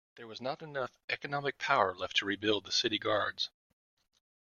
There was not enough economic power left to rebuild the city guards.